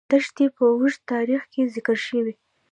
دښتې په اوږده تاریخ کې ذکر شوې.